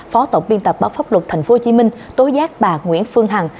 phó tổng biên tập báo pháp luật tp hcm tối giác bà nguyễn phương hằng